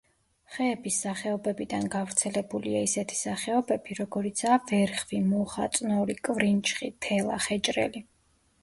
ხეების სახეობებიდან გავრცელებულია ისეთი სახეობები, როგორიცაა ვერხვი, მუხა, წნორი, კვრინჩხი, თელა, ხეჭრელი.